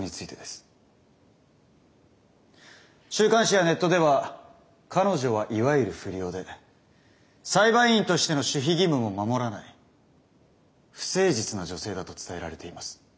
週刊誌やネットでは彼女はいわゆる不良で裁判員としての守秘義務も守らない不誠実な女性だと伝えられています。